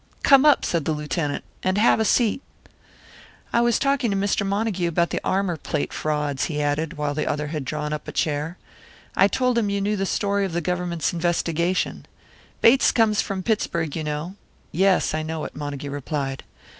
"Come up," said the Lieutenant, "and have a seat." "I was talking to Mr. Montague about the armour plate frauds," he added, when the other had drawn up a chair. "I told him you knew the story of the Government's investigation. Bates comes from Pittsburg, you know." "Yes, I know it," Montague replied.